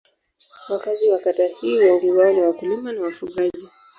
Wakazi wa kata hii wengi wao ni wakulima na wafugaji.